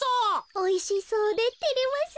おいしそうでてれますねえ。